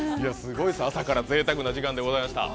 朝からぜいたくな時間でございました。